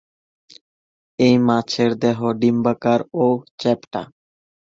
এই মাছের দেহ ডিম্বাকার ও চ্যাপ্টা।